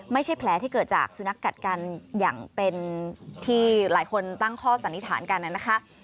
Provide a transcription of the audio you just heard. ไม่ใช่แผลที่เกิดจากสุนัขกัดกันอย่างเป็นที่หลายคนตั้งข้อสันนิษฐานกันนะคะ